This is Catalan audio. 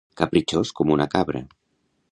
Capritxós com una cabra.